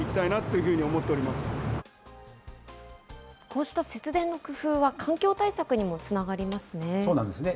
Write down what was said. こうした節電の工夫は環境対策にもつながりますね。